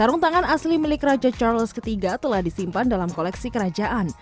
sarung tangan asli milik raja charles iii telah disimpan dalam koleksi kerajaan